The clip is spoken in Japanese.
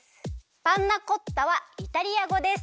パンナコッタはイタリアごです。